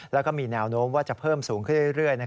แล้วก็มีแนวโน้มว่าจะเพิ่มสูงขึ้นเรื่อย